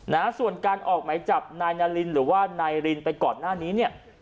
นะฮะส่วนการออกไหมจับนายนารินหรือว่านายรินไปก่อนหน้านี้เนี่ย